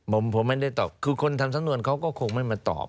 ผมผมไม่ได้ตอบคือคนทำสำนวนเขาก็คงไม่มาตอบ